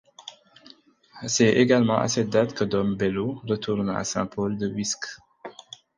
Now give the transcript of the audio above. C'est également à cette date que Dom Bellot retourne à Saint-Paul de Wisques.